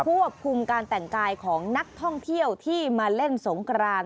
ควบคุมการแต่งกายของนักท่องเที่ยวที่มาเล่นสงกราน